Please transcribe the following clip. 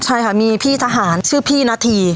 ใช่ค่ะมีพี่ทหารชื่อพี่นาธี